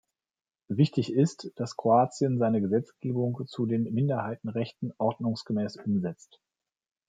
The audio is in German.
Wichtig ist, dass Kroatien seine Gesetzgebung zu den Minderheitenrechten ordnungsgemäß umsetzt.